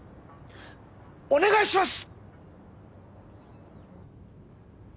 お願いします！